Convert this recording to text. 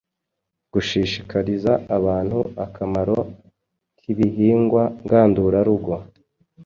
Gushishikariza abantu akamaro k’ibihingwa ngandurarugo